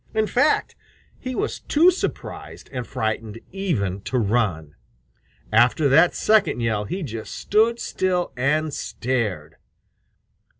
In fact, he was too surprised and frightened even to run. After that second yell he just stood still and stared.